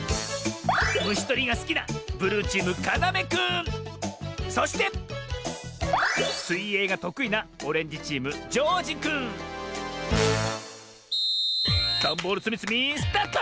むしとりがすきなそしてすいえいがとくいなダンボールつみつみスタート！